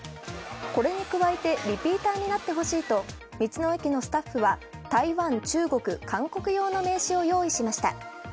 これに加えてリピーターになってほしいと道の駅のスタッフは台湾・中国・韓国用の名刺を用意しました。